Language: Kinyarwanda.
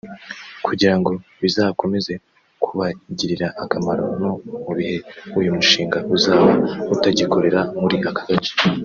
kugira ngo bizakomeze kubagirira akamaro no mu bihe uyu mushinga uzaba utagikorera muri aka gace